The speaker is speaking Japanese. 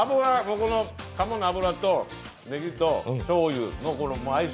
かもの脂とねぎとしょうゆの相性